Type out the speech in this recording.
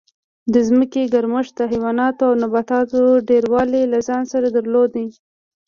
د ځمکې ګرمښت د حیواناتو او نباتاتو ډېروالی له ځان سره درلود